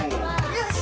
よし！